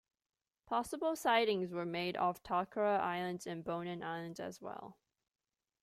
Possible sightings were made off Tokara Islands and Bonin Islands as well.